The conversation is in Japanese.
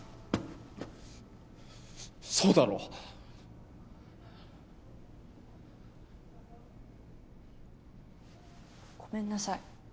そうだろ？ごめんなさい。